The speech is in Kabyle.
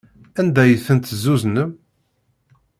Anda ay ten-tezzuznem?